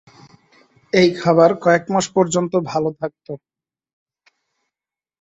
এই খাবার কয়েক মাস পর্যন্ত ভাল থাকত।